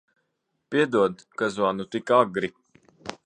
Piedod, ka zvanu tik agri.